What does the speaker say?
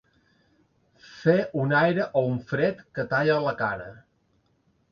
Fer un aire o un fred que talla la cara.